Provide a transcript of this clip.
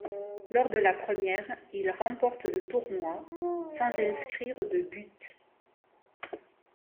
Lors de la première, il remporte le tournoi, sans inscrire de but.